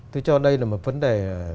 tôi cho đây là một vấn đề